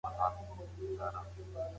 موږ د خپلو اعمالو مسوول یو.